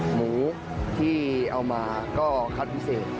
หมูที่เอามาก็คัดพิเศษ